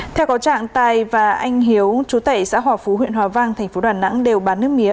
theo có trạng tài và anh hiếu chú tẩy xã hòa phú huyện hòa vang tp đà nẵng đều bán nước mía